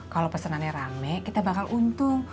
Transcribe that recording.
kalau pesanannya rame kita bakal untung